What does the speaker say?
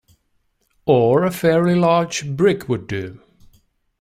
Or a fairly large brick would do.